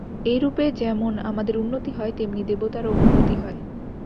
এইরূপে যেমন আমাদের উন্নতি হয়, তেমনি দেবতারও উন্নতি হয়।